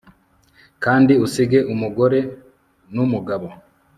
Kandi usige umugore numugabo